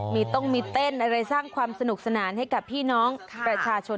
มีต้องมีเต้นอะไรสร้างความสนุกสนานให้กับพี่น้องประชาชน